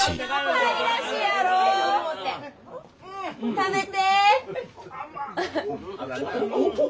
食べて。